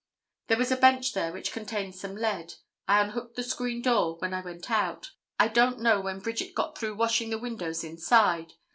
There was a bench there which contained some lead. I unhooked the screen door when I went out. I don't know when Bridget got through washing the windows inside.